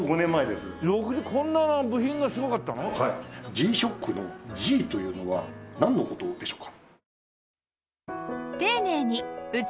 Ｇ−ＳＨＯＣＫの「Ｇ」というのはなんの事でしょうか？